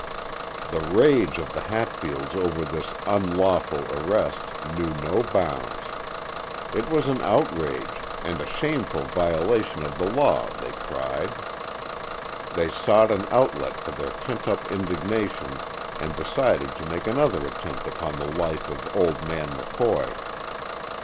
The rage of the Hatfields over this "unlawful" arrest knew no bounds. It was an outrage, and a shameful violation of the law, they cried. They sought an outlet for their pent up indignation and decided to make another attempt upon the life of old man McCoy.